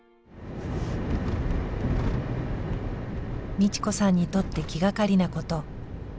美智子さんにとって気がかりなこと。